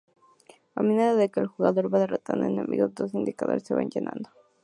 A medida que el jugador va derrotando enemigos, dos indicadores se van llenando.